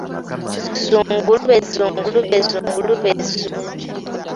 Zzungulube zzungulube zzungulube zzu.